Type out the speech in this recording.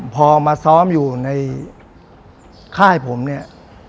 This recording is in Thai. พอมาซ้อมอยู่ในค่ายผมเนี่ย